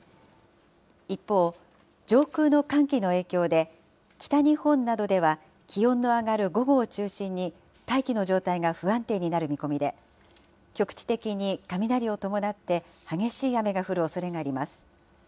一方、上空の寒気の影響で、北日本などでは気温の上がる午後を中心に、大気の状態が不安定になる見込みで、局地的に雷を伴って激しい雨が降るおそれがあります。